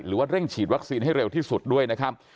หรือว่าเร่งฉีดวัคซีนให้เร็วที่สุดด้วยนะครับ